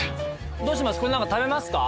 どうします？